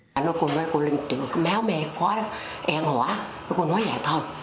bà nói cô linh tiểu máu mẹ khó e ngỏ cô nói vậy thôi